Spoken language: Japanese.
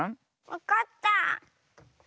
わかった。